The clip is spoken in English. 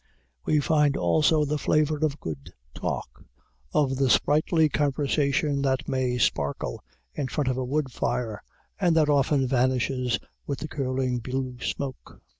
We find also the flavor of good talk, of the sprightly conversation that may sparkle in front of a wood fire and that often vanishes with the curling blue smoke.